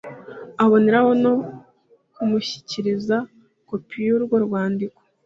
aboneraho no kumushyikiriza kopi y’urwo rwandiko